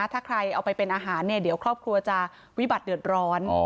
ถ้าใครเอาไปเป็นอาหารเนี่ยเดี๋ยวครอบครัวจะวิบัติเดือดร้อน